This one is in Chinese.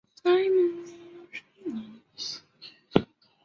圣玛窦广场相连。